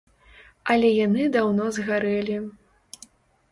Але яны даўно згарэлі.